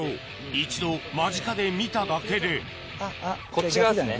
一度間近で見ただけでこっち側ですね。